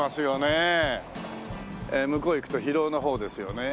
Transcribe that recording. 向こう行くと広尾の方ですよね。